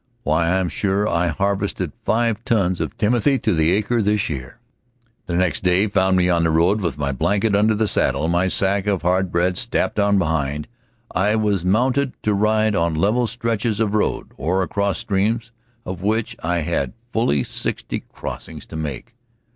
Why, I am sure I harvested five tons of timothy to the acre this year." [Illustration: Twice a week the Indian woman visited the cabin.] The next day found me on the road with my blanket under the saddle, my sack of hard bread strapped on behind. I was mounted to ride on level stretches of the road, or across streams, of which I had fully sixty crossings to make.